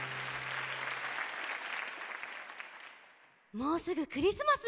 もうすぐクリスマス！